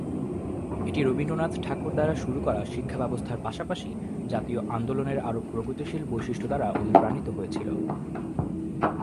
এটি রবীন্দ্রনাথ ঠাকুর দ্বারা শুরু করা শিক্ষাব্যবস্থার পাশাপাশি জাতীয় আন্দোলনের আরও প্রগতিশীল বৈশিষ্ট্য দ্বারা অনুপ্রাণিত হয়েছিল।